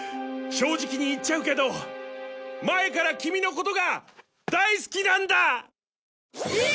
正直に言っちゃうけど前からキミのことが大好きなんだ！